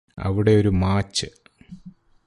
അവിടെയൊരു മാച്ച്